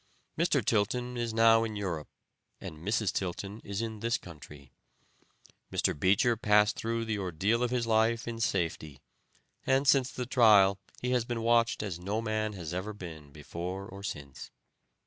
Mr. Tilton is now in Europe, and Mrs. Tilton is in this country. Mr. Beecher passed through the ordeal of his life in safety, and since the trial he has been watched as no man ever has been before or since.